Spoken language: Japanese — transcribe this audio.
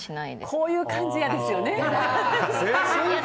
こういう感じ、嫌ですよね。